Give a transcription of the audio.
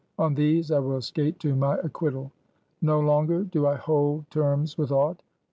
On these I will skate to my acquittal! No longer do I hold terms with aught.